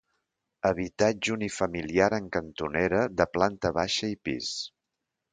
Habitatge unifamiliar en cantonera de planta baixa i pis.